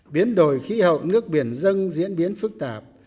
biến đổi khí hậu nước biển dân diễn biến phức tạp